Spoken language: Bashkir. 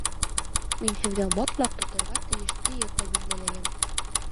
Мин һеҙгә мотлаҡ тоторға тейеш диета билдәләйем